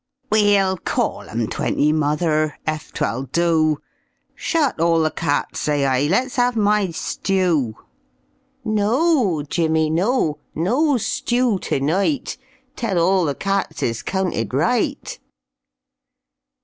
"We'll caall 'em twenty, mother, ef 'twill do; Shut all the cats, say I; let's have my stew." "No, Jimmy, no! no stew to night, 'Tell all the cats es counted right."